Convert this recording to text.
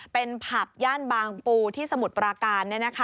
เป็นผับย่านบางปูที่สมุทรปราการ